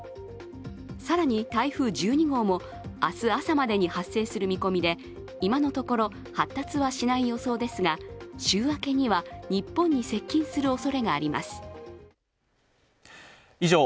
更に、台風１２号も明日朝までに発生する見込みで今のところ発達はしない予想ですが週明けには日本に接近するおそれがあります。